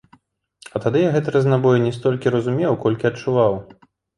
А тады я гэты разнабой не столькі разумеў, колькі адчуваў.